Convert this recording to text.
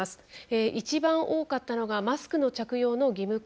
一番多かったのが「マスクの着用の義務化」。